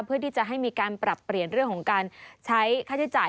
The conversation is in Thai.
เพื่อที่จะให้มีการปรับเปลี่ยนเรื่องของการใช้ค่าใช้จ่าย